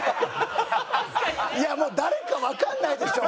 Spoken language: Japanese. いやもう誰かわからないでしょ！